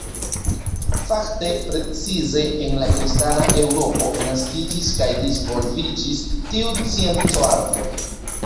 Fakte precize en la kristana eŭropo naskiĝis kaj disvolviĝis tiu scienco-arto.